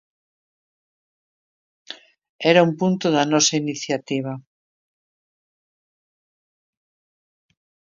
Era un punto da nosa iniciativa.